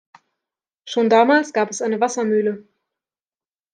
Schon damals gab es eine Wassermühle.